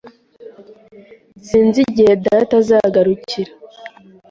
Sinzi igihe data azagarukira.